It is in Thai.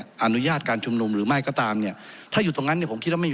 อนุญาตการชุมนุมหรือไม่ก็ตามเนี่ยถ้าอยู่ตรงนั้นเนี่ยผมคิดว่าไม่มี